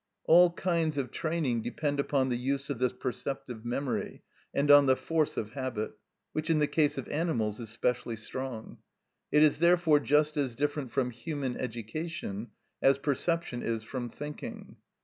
All kinds of training depend upon the use of this perceptive memory and on the force of habit, which in the case of animals is specially strong. It is therefore just as different from human education as perception is from thinking.